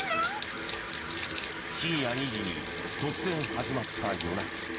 深夜２時に突然始まった夜鳴き。